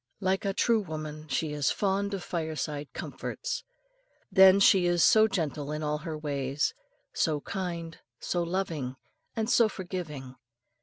Like a true woman, she is fond of fireside comforts. Then she is so gentle in all her ways, so kind, so loving, and so forgiving.